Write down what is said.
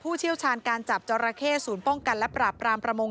เชี่ยวชาญการจับจอราเข้ศูนย์ป้องกันและปราบรามประมง